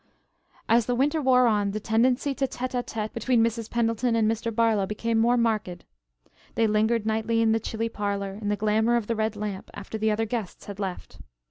As the winter wore on the tendency to tête à tête between Mrs. Pendleton and Mr. Barlow became more marked. They lingered nightly in the chilly parlor in the glamour of the red lamp after the other guests had left.